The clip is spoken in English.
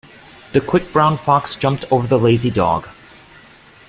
The quick brown fox jumped over the lazy dog.